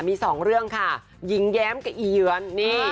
มีสองเรื่องค่ะหญิงแย้มกับอีเยือนนี่